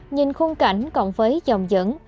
nhìn khung cảnh cộng với dòng dẫn